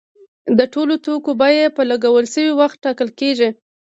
د ټولو توکو بیه په لګول شوي وخت ټاکل کیږي.